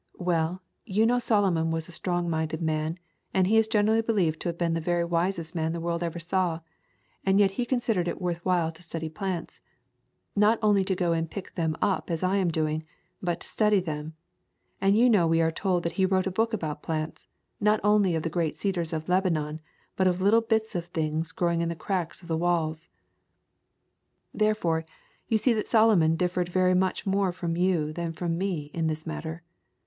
"Well, you know Solomon was a strong minded man, and he is generally believed to have been the very wisest man the world ever saw, and yet he con sidered it was worth while to study plants; not only to go and pick them up as I am doing, but to study them; and you know we are told that he wrote a book about plants, not only of the great cedars of Lebanon, but of little bits of things growing in the cracks of the walls.? "Therefore, you see that Solomon differed very much more from you than from me in this matter.